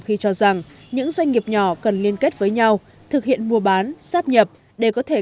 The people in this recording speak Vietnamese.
khi cho rằng những doanh nghiệp nhỏ cần liên kết với nhau thực hiện mua bán sáp nhập để có thể